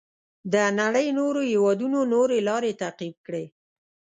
د نړۍ نورو هېوادونو نورې لارې تعقیب کړې.